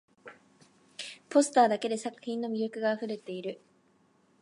ポスターだけで作品の魅力があふれている